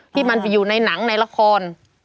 ที่มันไปอยู่ในหนังในละคร